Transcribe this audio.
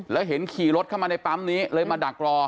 แล้วเห็นขี่รถเข้ามาในปั๊มนี้เลยมาดักรอ